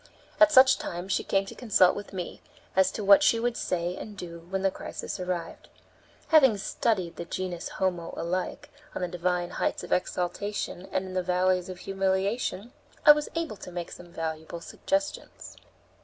At such times she came to consult with me, as to what she would say and do when the crisis arrived. Having studied the genus homo alike on the divine heights of exaltation and in the valleys of humiliation, I was able to make some valuable suggestions.